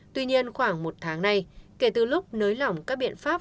tuy nhiên khoảng một tháng nay kể từ lúc nới lỏng các biện pháp